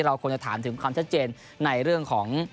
เราควรจะถามถึงความชัดเจนในเรื่องของ